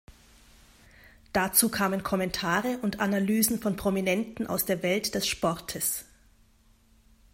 Dazu kamen Kommentare und Analysen von Prominenten aus der Welt des Sportes.